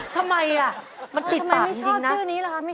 ทำไมอะมันติดปากจริงนะ